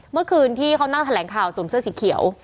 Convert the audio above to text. เมื่อคืนที่เขานั่งแถลงข่าวสวมเสื้อสีเขียว